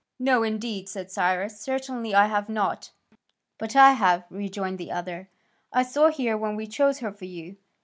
"No, indeed," said Cyrus, "certainly I have not." "But I have," rejoined the other, "I saw here when we chose her for you.